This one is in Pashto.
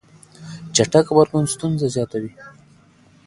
چټک غبرګون ستونزه زياتوي.